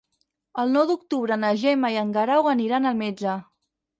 El nou d'octubre na Gemma i en Guerau aniran al metge.